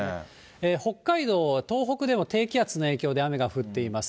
北海道、東北では低気圧の影響で雨が降っています。